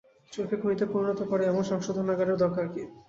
চোরকে খুনিতে পরিণত করে এমন সংশোধনাগারের দরকার কী?